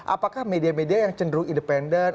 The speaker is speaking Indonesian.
apakah media media yang cenderung independen